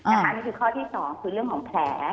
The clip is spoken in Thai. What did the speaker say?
นี่คือข้อที่๒คือเรื่องของแผล